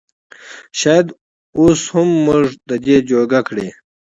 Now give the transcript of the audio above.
شايد اوس هم مونږ د دې جوګه کړي